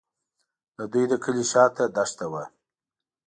د دوی د کلي شاته دښته وه.